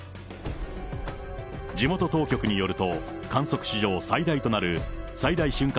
地元当局によると、観測史上最大となる最大瞬間